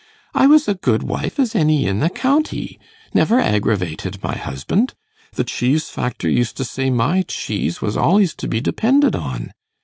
I was a good wife as any in the county never aggravated my husband. The cheese factor used to say my cheese was al'ys to be depended on.